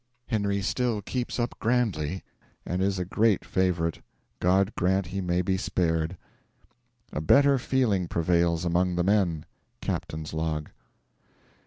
Henry still keeps up grandly, and is a great favourite. God grant he may be spared. A better feeling prevails among the men. Captain's Log.